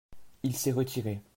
Il s’est retiré.